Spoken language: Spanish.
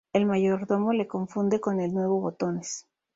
El mayordomo le confunde con el nuevo botones.